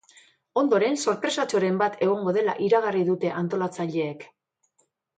Ondoren, sorpresatxoren bat egongo dela iragarri dute antolatzaileek.